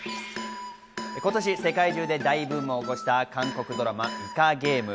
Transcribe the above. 今年、世界中で大ブームを起こした韓国ドラマ『イカゲーム』。